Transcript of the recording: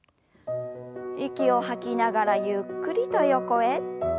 息を吐きながらゆっくりと横へ。